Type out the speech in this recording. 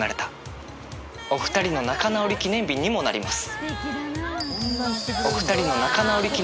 お二人の仲直り記念日にもなります